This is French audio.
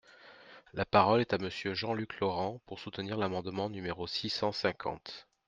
La parole est à Monsieur Jean-Luc Laurent, pour soutenir l’amendement numéro six cent cinquante.